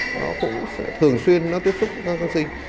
nó cũng thường xuyên tiếp xúc các kháng sinh